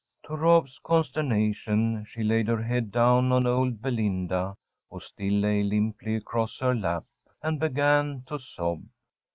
To Rob's consternation she laid her head down on old Belinda, who still lay limply across her lap, and began to sob.